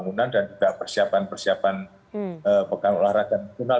ini juga ada dalam tim terkenal